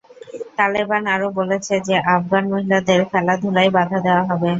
তালেবান আরও বলেছে যে আফগান মহিলাদের খেলাধুলায় বাধা দেওয়া হবে।